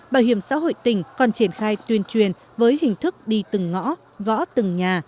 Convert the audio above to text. bảo hiểm xã hội tỉnh còn triển khai tuyên truyền với hình thức đi từng ngõ gõ từng nhà